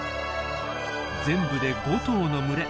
全部で５頭の群れ。